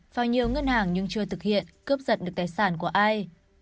vào nhiều ngân hàng nhưng chưa thực hiện cướp giật được tài sản của ai